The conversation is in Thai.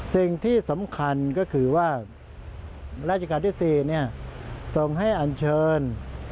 สิ่งที่สำคัญก็คือว่าราชการที่๔ส่งให้อันเชิญ